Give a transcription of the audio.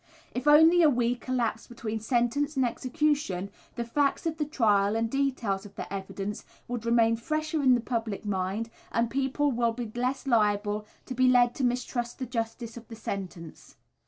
If only a week elapsed between sentence and execution, the facts of the trial and details of the evidence would remain fresher in the public mind, and people would be less liable to be led to mistrust the justice of the sentence.